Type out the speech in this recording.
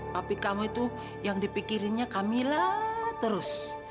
papi kamu itu yang dipikirinnya kak mila terus